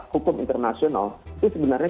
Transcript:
hukum internasional itu sebenarnya